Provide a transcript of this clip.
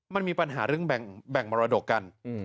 มันมีปัญหาเรื่องแบ่งมรดกกัน